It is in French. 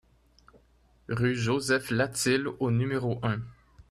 Rue Joseph Latil au numéro un